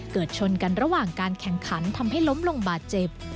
ชนกันระหว่างการแข่งขันทำให้ล้มลงบาดเจ็บ